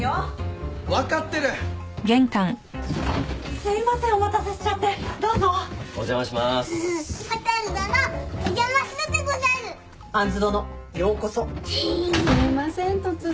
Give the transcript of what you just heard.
すいません突然。